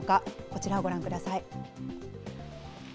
こちらをご覧ください。